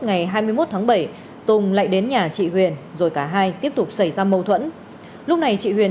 ngày hai mươi một tháng bảy tùng lại đến nhà chị huyền rồi cả hai tiếp tục xảy ra mâu thuẫn lúc này chị huyền